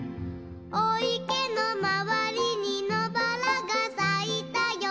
「おいけのまわりにのばらがさいたよ」